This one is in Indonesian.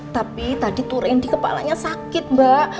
tapi tadi tuh randy kepalanya sakit mbak